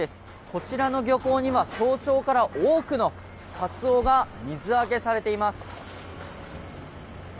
こちらの漁港には早朝から多くのカツオが水揚げされています。